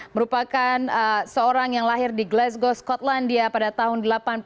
merupakan seorang yang lahir di glasgow skotlandia pada tahun seribu sembilan ratus delapan puluh tujuh